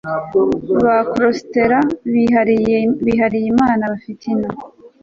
Bya cloisterabihayimana bafite enow